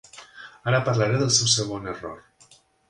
Ara parlaré del seu segon error.